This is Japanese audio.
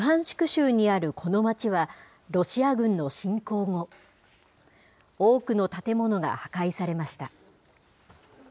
州にあるこの町は、ロシア軍の侵攻後、多くの建物が破壊されました。